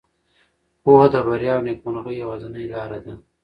پوهه د بریا او نېکمرغۍ یوازینۍ لاره ده.